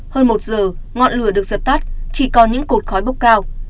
hơn một giờ ngọn lửa được dập tắt chỉ còn những cột khói bốc cao